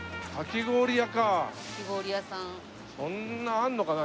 そんなあるのかな？